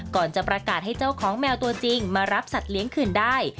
ก่อนจะประกาศให้เจ้าของแมวตัวจริงมารับสัตว์เลี้ยงคืนได้